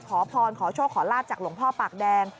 ขอพรขอโชคขอลาบจากหลวงพ่อปากแดง